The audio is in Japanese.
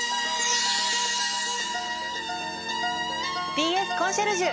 「ＢＳコンシェルジュ」。